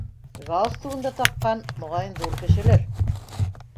Галстугын да таҡҡан, моғайын, ҙур кешелер.